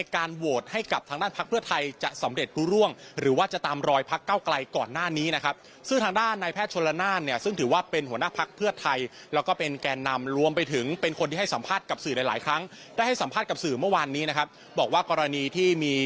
การเสนอชื่อเมื่อวานนี้นะครับบอกว่ากรณีที่มี